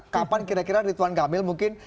kapan kira kira ridwan kamil mungkin